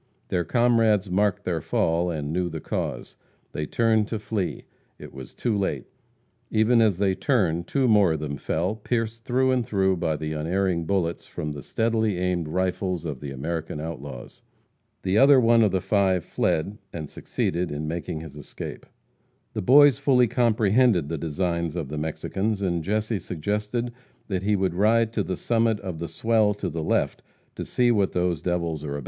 Their comrades marked their fall, and knew the cause. They turned to flee. It was too late. Even as they turned two more of them fell, pierced through and through by the unerring bullets from the steadily aimed rifles of the American outlaws. The other one of the five fled, and succeeded in making his escape. The Boys fully comprehended the designs of the Mexicans, and Jesse suggested that he would ride to the summit of "the swell" to the left, to see what "those other devils are about."